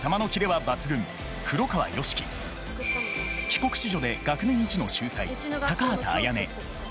帰国子女で学年一の秀才高畑あやね。